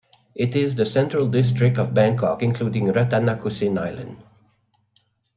It is the central district of Bangkok, including Rattanakosin Island.